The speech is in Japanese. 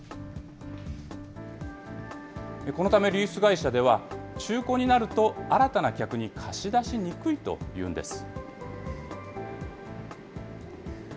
このため、リース会社では、中古になると新たな客に貸し出しにくいというんです。